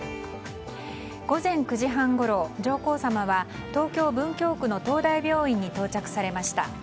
午前９時半ごろ、上皇さまは東京・文京区の東大病院に到着されました。